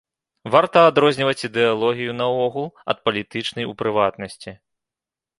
Варта адрозніваць ідэалогію наогул, ад палітычнай у прыватнасці.